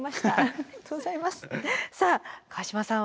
さあ河島さんは？